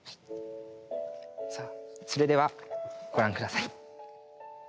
さあそれではご覧下さい。